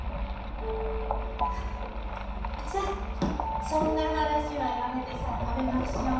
フフッさあそんな話はやめてさあ食べましょう。